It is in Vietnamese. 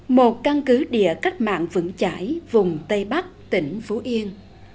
một căn cứ địa cách mạng vững chải vùng tây bắc tỉnh phú yên